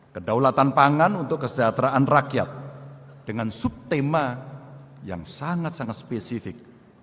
kedaulatan pangan untuk kesejahteraan rakyat dengan subtema yang sangat sangat spesifik